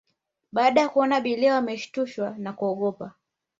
Baada ya kuona abiria wameshtushwa na kuogopa